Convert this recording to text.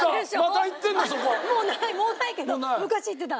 もうないけど昔行ってた。